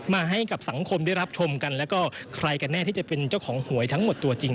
ให้กับสังคมได้รับชมกันแล้วก็ใครกันแน่ที่จะเป็นเจ้าของหวยทั้งหมดตัวจริง